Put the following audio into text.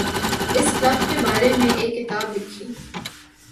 اس club کے بارے میں ایک کتاب لکھی